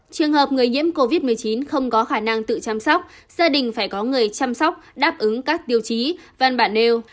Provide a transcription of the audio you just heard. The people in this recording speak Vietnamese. trường hợp người nhiễm covid một mươi chín không có khả năng tự chăm sóc gia đình phải có người chăm sóc đáp ứng các tiêu chí văn bản nêu